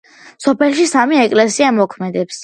სოფელში სამი ეკლესია მოქმედებს.